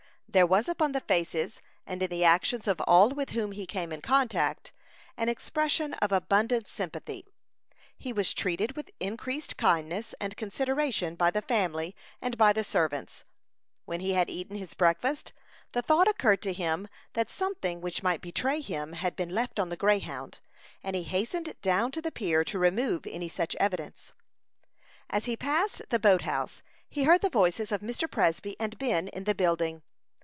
There was upon the faces and in the actions of all with whom he came in contact, an expression of abundant sympathy. He was treated with increased kindness and consideration by the family and by the servants. When he had eaten his breakfast, the thought occurred to him that something which might betray him had been left on the Greyhound, and he hastened down to the pier to remove any such evidence. As he passed the boat house he heard the voices of Mr. Presby and Ben in the building.